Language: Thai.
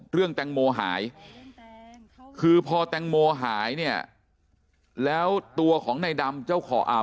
เรื่องแตงโมหายคือพอแตงโมหายเนี่ยแล้วตัวของในดำเจ้าของอ่า